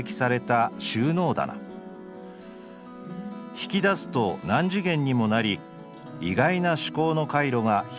引き出すと何次元にもなり意外な思考の回路が広がってくる」。